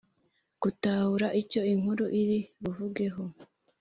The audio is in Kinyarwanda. gutahura icyo inkuru iri buvugeho